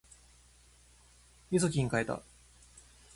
みそきん買えた